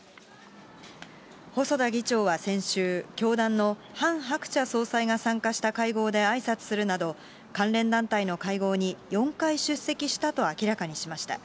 細田議長は先週、教団のハン・ハクチャ総裁が参加した会合であいさつするなど、関連団体の会合に４回出席したと明らかにしました。